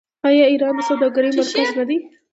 آیا ایران د سوداګرۍ مرکز نه دی؟